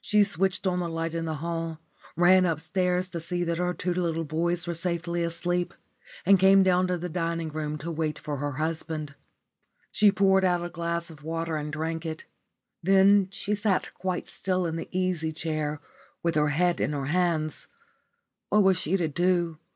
She switched on the light in the hall, ran upstairs to see that her two little boys were safely asleep, and came down to the dining room to wait for her husband. She poured out a glass of water and drank it. Then she sat quite still in the easy chair with her head in her hands. What was she to do?